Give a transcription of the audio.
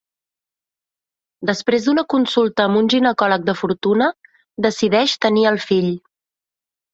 Després d'una consulta amb un ginecòleg de fortuna, decideix tenir el fill.